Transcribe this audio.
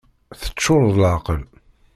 Teččur d leεqel!